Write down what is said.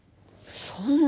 そんな。